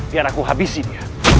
biar aku habisi dia